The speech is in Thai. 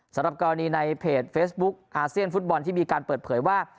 สำหรับกรณีในเพจเฟซบุ๊คอาเซียนฟุตบอลที่มีการเปิดเผยว่า